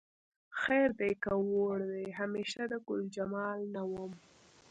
خیر دی که وړ دې همیشه د ګلجمال نه وم